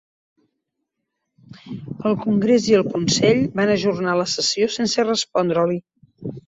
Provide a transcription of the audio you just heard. El congrés i el Consell van ajornar la sessió sense respondre-li.